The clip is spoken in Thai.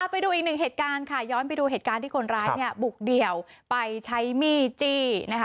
ไปดูอีกหนึ่งเหตุการณ์ค่ะย้อนไปดูเหตุการณ์ที่คนร้ายบุกเดี่ยวไปใช้มีดจี้